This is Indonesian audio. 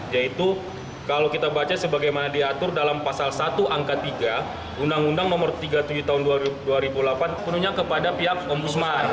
yaitu kalau kita baca sebagaimana diatur dalam pasal satu angka tiga undang undang nomor tiga puluh tujuh tahun dua ribu delapan penuhnya kepada pihak ombudsman